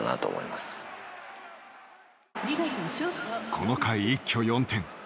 この回一挙４点。